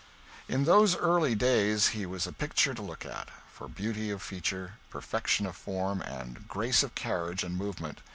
In those earlier days he was a picture to look at, for beauty of feature, perfection of form and grace of carriage and movement.